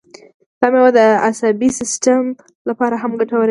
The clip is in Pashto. دا مېوه د عصبي سیستم لپاره هم ګټوره ده.